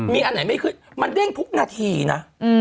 มีอันไหนไม่ขึ้นมันเด้งทุกนาทีนะ